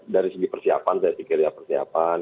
dari segi persiapan saya pikir ya persiapan